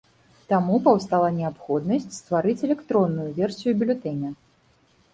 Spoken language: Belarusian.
Таму паўстала неабходнасць стварыць электронную версію бюлетэня.